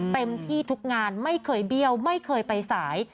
เต็มที่ทุกงานไม่เคยเบี้ยวไม่เคยไปสาย